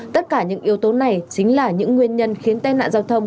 tất cả những yếu tố này chính là những nguyên nhân khiến tai nạn giao thông